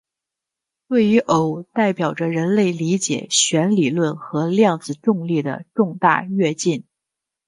此对偶代表着人类理解弦理论和量子重力的重大跃进。